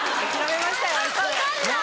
分かんない。